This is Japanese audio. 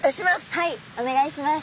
はいお願いします。